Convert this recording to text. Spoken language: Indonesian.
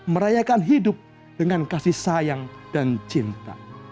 merayakan hidup dengan kasih sayang dan cinta